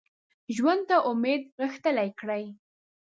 ژوند ته امید غښتلی کړي